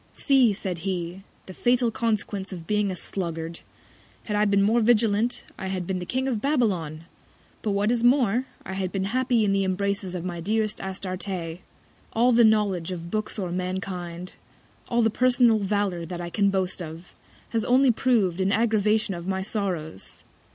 See! said he, the fatal Consequence of being a Sluggard! Had I been more vigilant, I had been King of Babylon; but what is more, I had been happy in the Embraces of my dearest Astarte. All the Knowledge of Books or Mankind; all the personal Valour that I can boast of, has only prov'd an Aggravation of my Sorrows.